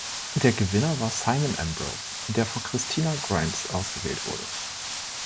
Der Gewinner war Simon Ambrose, der vor Kristina Grimes ausgewählt wurde.